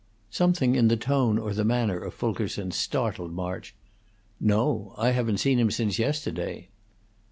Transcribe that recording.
Something in the tone or the manner of Fulkerson startled March. "No! I haven't seen him since yesterday."